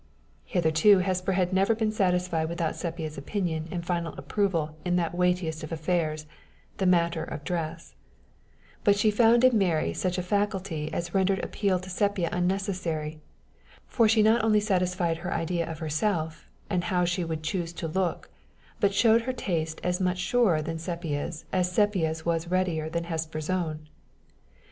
Hitherto Hesper had never been satisfied without Sepia's opinion and final approval in that weightiest of affairs, the matter of dress; but she found in Mary such a faculty as rendered appeal to Sepia unnecessary; for she not only satisfied her idea of herself, and how she would choose to look, but showed her taste as much surer than Sepia's as Sepia's was readier than Hesper's own.